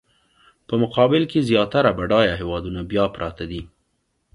په مقابل کې زیاتره بډایه هېوادونه بیا پراته دي.